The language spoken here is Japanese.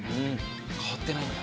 変わってないんだ。